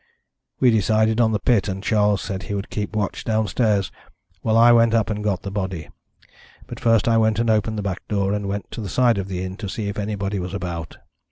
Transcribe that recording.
"We decided on the pit, and Charles said he would keep watch downstairs while I went up and got the body. But first I went and opened the back door and went to the side of the inn to see if anybody was about.